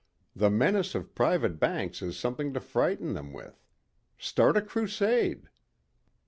The menace of private banks is something to frighten them with. Start a crusade."